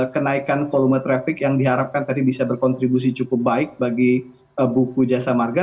kenaikan volume traffic yang diharapkan tadi bisa berkontribusi cukup baik bagi buku jasa marga